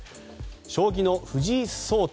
将棋の藤井聡太